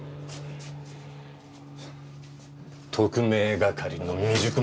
特命係の未熟者。